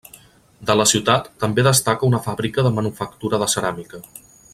De la ciutat també destaca una fàbrica de manufactura de ceràmica.